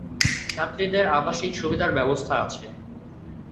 ছাত্রীদের আবাসিক সুবিধা ব্যবস্থা আছে।